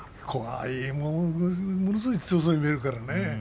ものすごく強そうに見えるからね。